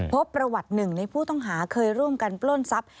พบประวัติหนึ่งในผู้ต้องหาเคยร่วมกันปล้นทรัพย